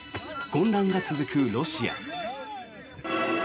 混乱が続くロシア。